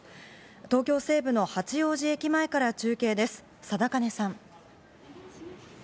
東京・西部の八王子駅前から中継です、貞包さん。